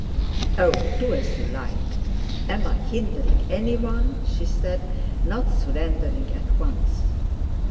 "Oh, do as you like! Am I hindering anyone?" she said, not surrendering at once.